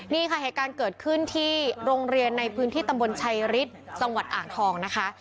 นี่ค่ะเหตุการณ์เกิดขึ้นที่โรงเรียนในพื้นที่ตำบลชัยฤทธิ์จังหวัดอ่างทองนะคะ